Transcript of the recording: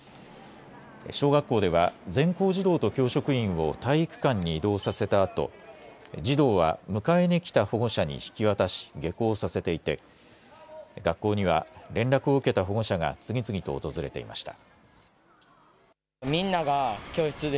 小学校では全校児童と教職員を体育館に移動させたあと児童は迎えに来た保護者に引き渡し下校させていて学校には連絡を受けた保護者が次々と訪れていました。